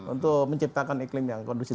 untuk menciptakan iklim yang kondusif